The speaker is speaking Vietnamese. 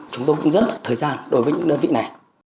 chúng tôi cũng rất là thời gian đối với những đơn vị này